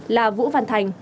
là vũ văn thành